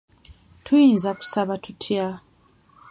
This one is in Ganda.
Tuyinza kusaba tutya?